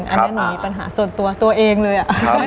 อันนี้หนูมีปัญหาส่วนตัวตัวเองเลย